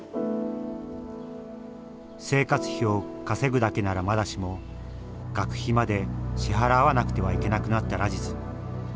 生活費を稼ぐだけならまだしも学費まで支払わなくてはいけなくなったラジズ。